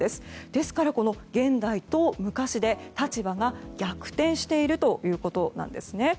ですから現代と昔で立場が逆転しているということなんですね。